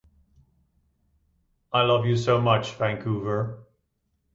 'I love you so much, Vancouver.